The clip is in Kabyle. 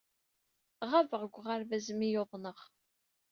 Ɣabeɣ deg uɣerbaz imi ay uḍneɣ.